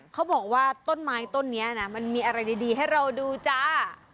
เขาบอกว่าต้นไม้ต้นนี้นะมันมีอะไรดีให้เราดูจ้า